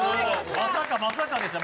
まさかまさかでしたよ。